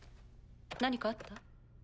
何かあった？